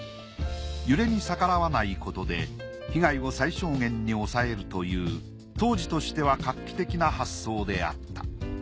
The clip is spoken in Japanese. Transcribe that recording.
揺れに逆らわないことで被害を最小限に抑えるという当時としては画期的な発想であった。